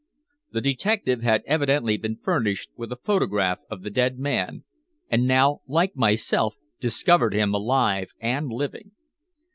The detective had evidently been furnished with a photograph of the dead man, and now, like myself, discovered him alive and living.